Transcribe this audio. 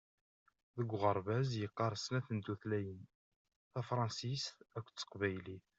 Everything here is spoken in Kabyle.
Deg uɣerbaz yeqqaṛ snat n tutlayin: Tafransist akked taqbaylit.